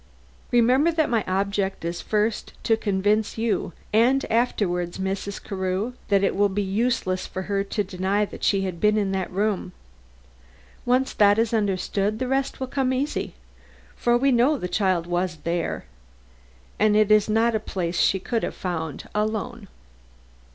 Remember that my object is first to convince you and afterward Mrs. Carew, that it will be useless for her to deny that she has been in that room. Once that is understood, the rest will come easy; for we know the child was there, and it is not a place she could have found alone."